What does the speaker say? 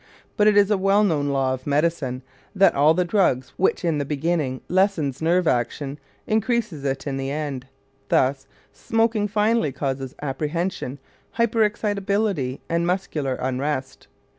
But it is a well known law of medicine that all the drugs which in the beginning lessen nerve action increase it in the end. Thus smoking finally causes apprehension, hyper excitability, and muscular unrest.